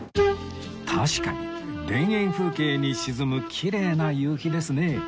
確かに田園風景に沈むきれいな夕日ですね